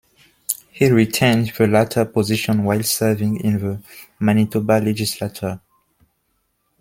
He retained the latter position while serving in the Manitoba legislature.